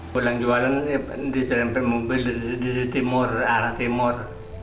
pulang jualan di selimpan mobil di timur arah timur